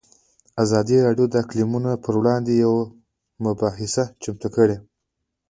ازادي راډیو د اقلیتونه پر وړاندې یوه مباحثه چمتو کړې.